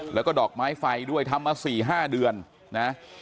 แล้วก็ดอกไม้ไฟด้วยทำมา๔๕เดือนนะ